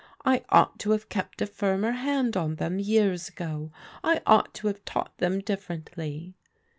I ought to have kept a firmer hand on them years aga I ought to have taught them differently."